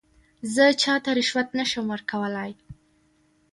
زه چاته رشوت نه شم ورکولای.